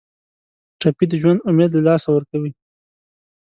ټپي د ژوند امید له لاسه ورکوي.